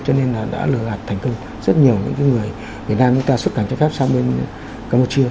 cho nên là đã lừa gạt thành công rất nhiều những người việt nam chúng ta xuất cảnh trái phép sang bên campuchia